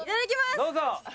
どうぞ！